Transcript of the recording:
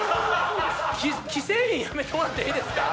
既製品やめてもらっていいですか？